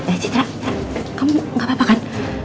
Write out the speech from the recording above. eh eh eh eh kamu ngapakan